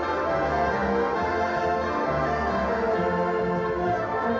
สวัสดีครับ